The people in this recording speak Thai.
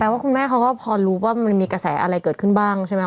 ว่าคุณแม่เขาก็พอรู้ว่ามันมีกระแสอะไรเกิดขึ้นบ้างใช่ไหม